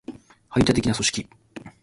排他的な組織